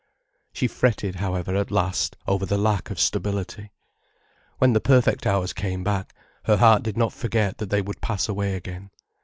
She fretted, however, at last, over the lack of stability. When the perfect hours came back, her heart did not forget that they would pass away again.